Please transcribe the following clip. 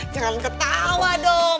jangan ketawa dong